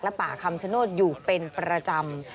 ป่าคำชโนธอยู่เป็นประจำ